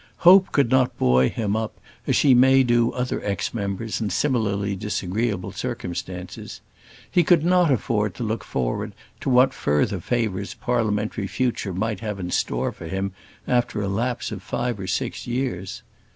Hope could not buoy him up as she may do other ex members in similarly disagreeable circumstances. He could not afford to look forward to what further favours parliamentary future might have in store for him after a lapse of five or six years.